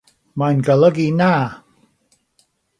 Mae'n golygu Na!